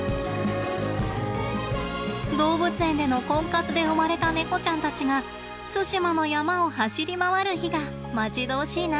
動物園でのコンカツで生まれたネコちゃんたちが対馬の山を走り回る日が待ち遠しいな。